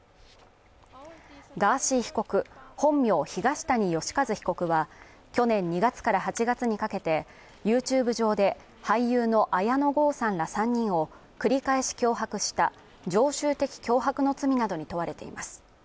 ガーシー被告、本名東谷義和被告は去年２月から８月にかけてＹｏｕＴｕｂｅ上で俳優の綾野剛さんら３人を繰り返し脅迫した常習的脅迫の罪などに問われています